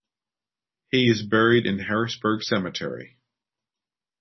He is buried in Harrisburg Cemetery.